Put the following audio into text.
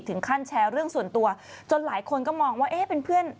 แชร์เรื่องส่วนตัวจนหลายคนก็มองว่าเอ๊ะเป็นเพื่อน